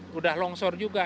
sudah longsor juga